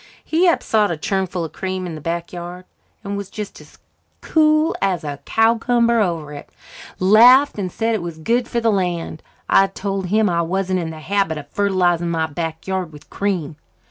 He upsot a churnful of cream in the back yard and was just as cool as a cowcumber over it laughed and said it was good for the land. I told him I wasn't in the habit of fertilizing my back yard with cream.